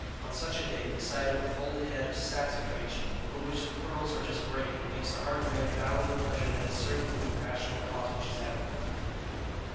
On such a day the sight of a folded head of saxifrage from which the pearls are just breaking makes the heart of man bound with a pleasure that has certainly no rational cause which is adequate.